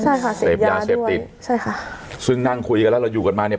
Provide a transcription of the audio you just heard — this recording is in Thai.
ใช่ค่ะเสพยาเสพติดใช่ค่ะซึ่งนั่งคุยกันแล้วเราอยู่กันมาเนี้ย